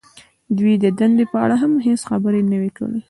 دوی د دندې په اړه هم هېڅ خبرې نه وې کړې